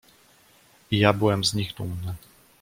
"I ja byłem z nich dumny."